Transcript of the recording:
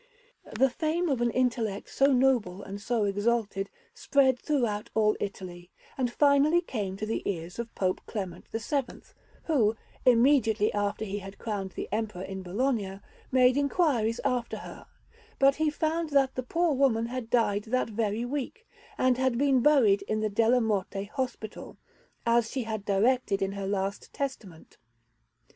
The fame of an intellect so noble and so exalted spread throughout all Italy, and finally came to the ears of Pope Clement VII, who, immediately after he had crowned the Emperor in Bologna, made inquiries after her; but he found that the poor woman had died that very week, and had been buried in the Della Morte Hospital, as she had directed in her last testament.